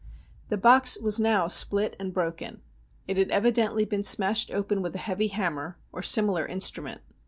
The box was now split and broken. It had evidently been smashed open with a heavy hammer, or similar instrument.